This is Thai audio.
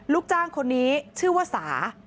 ลูกจ้างคนนี้ชื่อว่าสา